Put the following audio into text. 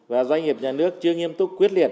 và doanh nghiệp nhà nước chưa nghiêm túc quyết liệt